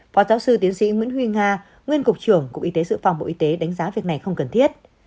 phó giáo sư tiến sĩ nguyễn huy nga nguyên cục trưởng cục y tế dự phòng bộ y tế đánh giá việc này không cần thiết